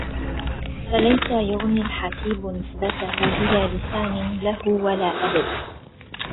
فَلَيسَ يُغني الحَسيبُ نِسبَتَه بِلا لِسانٍ لَهُ وَلا أَدَبِ